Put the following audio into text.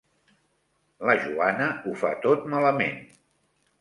La Joana ho fa tot malament.